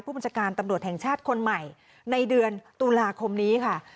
บัญชาการตำรวจแห่งชาติคนใหม่ในเดือนตุลาคมนี้ค่ะ